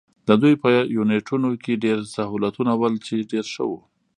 د دوی په یونیټونو کې ډېر سهولتونه ول، چې ډېر ښه وو.